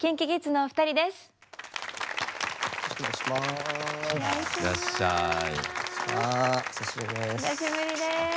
お久しぶりです。